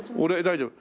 大丈夫。